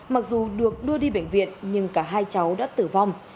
mặc dù được đưa đi bệnh viện nhưng cả hai cháu đã tử vong